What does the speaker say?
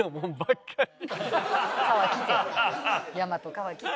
川来て。